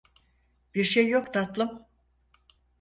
Bir şey yok tatlım.